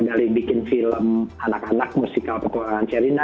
dari bikin film anak anak musikal kekurangan cerina